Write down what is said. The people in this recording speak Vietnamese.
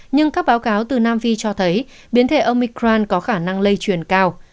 nhưng các báo cáo từ nam phi cho thấy biến thể omicran có khả năng lây truyền cao